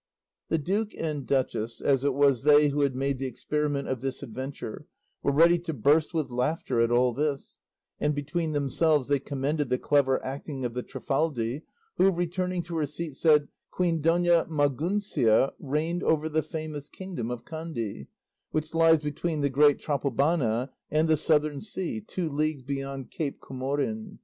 The duke and duchess, as it was they who had made the experiment of this adventure, were ready to burst with laughter at all this, and between themselves they commended the clever acting of the Trifaldi, who, returning to her seat, said, "Queen Dona Maguncia reigned over the famous kingdom of Kandy, which lies between the great Trapobana and the Southern Sea, two leagues beyond Cape Comorin.